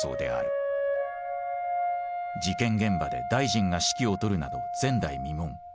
事件現場で大臣が指揮を執るなど前代未聞。